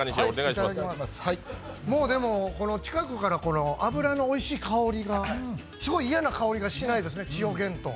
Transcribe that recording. もうでも、近くから脂のおいしい香りがすごい嫌な香りがしないですね千代幻豚。